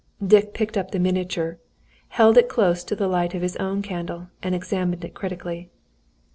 Dick picked up the miniature, held it close to the light of his own candle, and examined it critically.